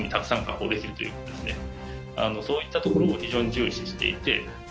そういったところも非常に重視していて。